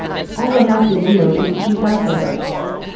All they have to do is to be passive.